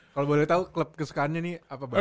kalau boleh tahu klub kesukaannya nih apa